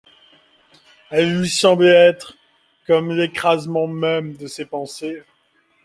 Elle lui semblait être comme l’écrasement même de ses pensées.